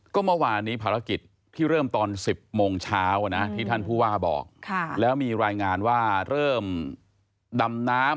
ก็เมื่อวานนี้ภารกิจที่เริ่มตอน๑๐โมงเช้านะที่ท่านผู้ว่าบอกแล้วมีรายงานว่าเริ่มดำน้ำ